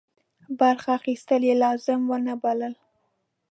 برخه اخیستل یې لازم ونه بلل.